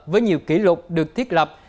với nhiều kỷ lục được thiết lập